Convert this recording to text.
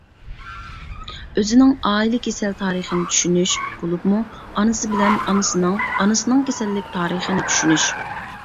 ئۆزىنىڭ ئائىلە كېسەل تارىخىنى چۈشىنىش، بولۇپمۇ ئانىسى بىلەن ئانىسىنىڭ ئانىسىنىڭ كېسەللىك تارىخىنى چۈشىنىش.